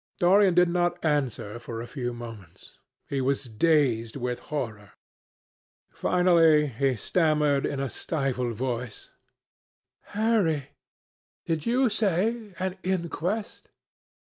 Dorian did not answer for a few moments. He was dazed with horror. Finally he stammered, in a stifled voice, "Harry, did you say an inquest?